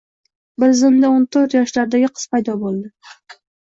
Bir zumda oʻn toʻrt yoshlardagi qiz paydo boʻldi